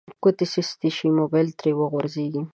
ګوتې سستې شي موبایل ترې وغورځیږي